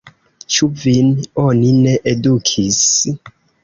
Ĉu vin oni ne edukis?